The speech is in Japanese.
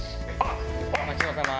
お待ちどおさま。